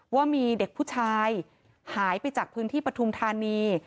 ว่ามีเด็กผู้ชายหายไปจากพื้นที่ปฐุมธานี